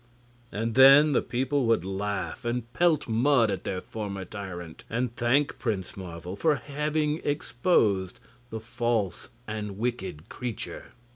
And then the people would laugh and pelt mud at their former tyrant, and thank Prince Marvel for haying exposed the false and wicked creature.